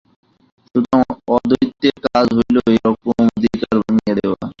সুতরাং অদ্বৈতের কাজ হইল এই-সকল অধিকার ভাঙিয়া দেওয়া।